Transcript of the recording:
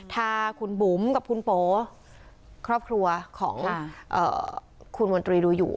ถ้าคุณบุ๋มกับคุณโปครอบครัวของคุณมนตรีดูอยู่